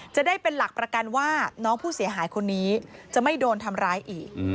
จะได้เป็นหลักประกันว่าน้องผู้เสียหายคนนี้จะไม่โดนทำร้ายอีก